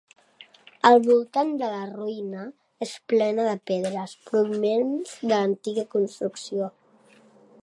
El voltant de la ruïna és plena de pedres provinents de l'antiga construcció.